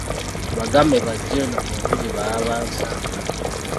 Bagambe bajje eno mu nju gye baba bansanga.